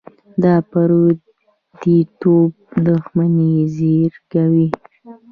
دا پرديتوب دښمني زېږوي.